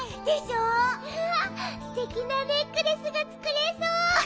うわすてきなネックレスがつくれそう！